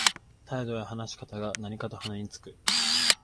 態度や話し方が何かと鼻につく